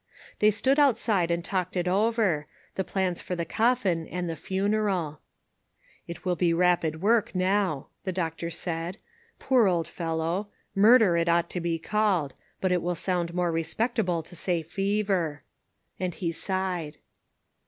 They stood outside and talked it over. The plans for the coffin and the funeral. "It will be rapid work, now," the doc NIGHT OUT OF DARKNESS. 433 tor said. "Poor old fellow! Murder, it ought to be called ; but it will sound more respectable to say fever." And he sighed.